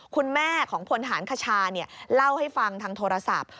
คุณแม่ของพลฐานคชาเล่าให้ฟังทางโทรศัพท์